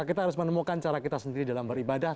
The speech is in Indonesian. kita harus menemukan cara kita sendiri dalam beribadah